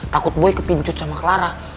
takut boy kepincut sama clara